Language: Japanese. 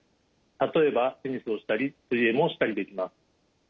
例えばテニスをしたり水泳もしたりできます。